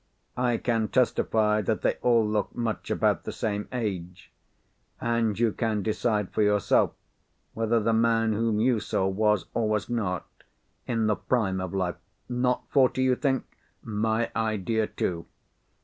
I can testify that they all look much about the same age—and you can decide for yourself, whether the man whom you saw was, or was not, in the prime of life. Not forty, you think? My idea too.